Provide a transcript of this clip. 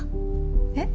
えっ？